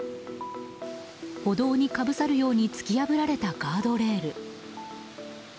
歩道にかぶさるように突き破られたガードレール。